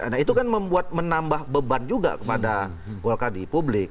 nah itu kan membuat menambah beban juga kepada golkar di publik